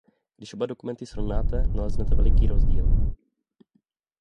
Když oba dokumenty srovnáte, naleznete veliký rozdíl.